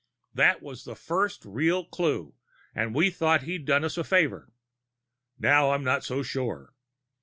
That was the first real clue and we thought he'd done us a favor. Now I'm not so sure."